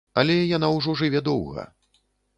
Але яна ўжо жыве доўга.